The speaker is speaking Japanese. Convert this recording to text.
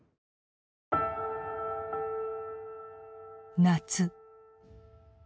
夏。